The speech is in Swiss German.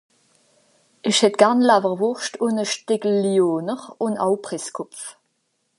Isch hätt Garn Lawerwurscht un e Steckel Lyoner un au Presskopf